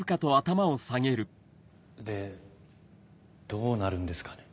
でどうなるんですかね。